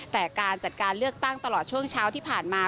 แต่การจัดการเลือกตั้งตลอดช่วงเช้าที่ผ่านมา